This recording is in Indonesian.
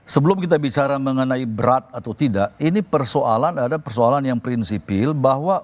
sebelum kita bicara mengenai berat atau tidak ini persoalan ada persoalan yang prinsipil bahwa